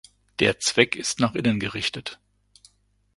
Der "Zweck" ist nach innen gerichtet.